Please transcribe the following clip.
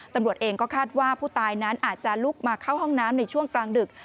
ตำรวจเองก็คาดว่าผู้ตายนั้นอาจจะลุกมาเข้าห้องน้ำในช่วงกลางดึก